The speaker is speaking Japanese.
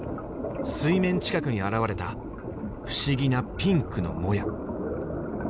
水面近くに現れた不思議なピンクのモヤ。